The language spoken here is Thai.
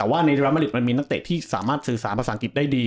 ไม่ได้อืมแต่ว่าในมันมีนักเตะที่สามารถสื่อสารภาษาอังกฤษได้ดี